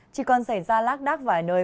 chỉ còn xảy ra lác đác vài nơi